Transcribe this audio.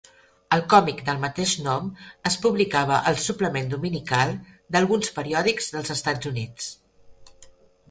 El còmic del mateix nom es publicava al suplement dominical d'alguns periòdics dels Estats Units.